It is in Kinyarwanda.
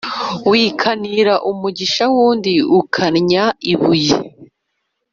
Wikanira umugisha w’undi ukannya ibuye.